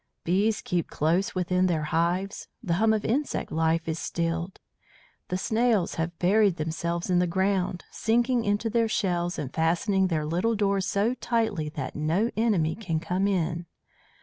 Bees keep close within their hives; the hum of insect life is stilled. "The snails have buried themselves in the ground, sinking into their shells and fastening their little doors so tightly that no enemy can come in.